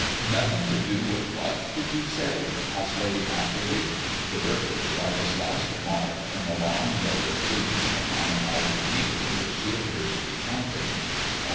"Nothing to do with what did you say?" asked Lady Atherley, diverted by this last remark from a long row of loops upon an ivory needle which she appeared to be counting.